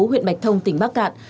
huyện bạch thông tỉnh bắc cạn